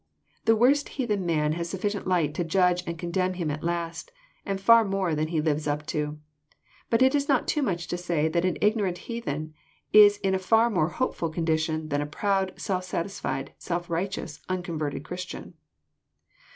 The worst heathen man has sufficient light to judge and con demn him at last, and far more than he lives up to. But it is not too much to say that an ignorant heathen is in a far more hopeful condition than a proud, self satisfied, self righteous, unconverted Christian.